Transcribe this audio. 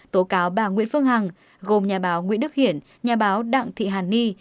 tố cáo bà nguyễn phương hằng gồm nhà báo nguyễn đức hiển nhà báo đặng thị hàn ni